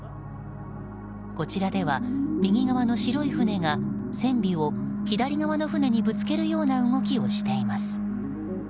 こちらでは、右側の白い船が船尾を左側の船にぶつけるような動きをしています。